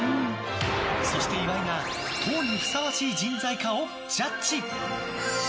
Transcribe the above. そして岩井が党にふさわしい人材かをジャッジ。